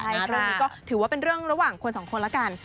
เรื่องนี้ก็ถือว่าเป็นเรื่องระหว่างคนสองคนแล้วกัน